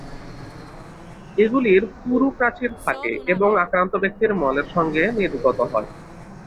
এগুলির পুরু প্রাচীর থাকে এবং আক্রান্ত ব্যক্তির মলের সঙ্গে নির্গত হয়।